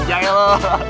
gijang ya lo